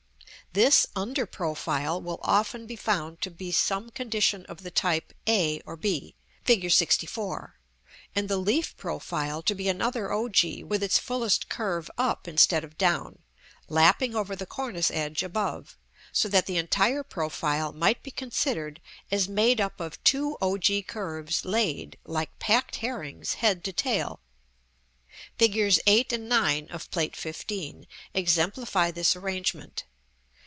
This under profile will often be found to be some condition of the type a or b, Fig. LXIV.; and the leaf profile to be another ogee with its fullest curve up instead of down, lapping over the cornice edge above, so that the entire profile might be considered as made up of two ogee curves laid, like packed herrings, head to tail. Figures 8 and 9 of Plate XV. exemplify this arrangement.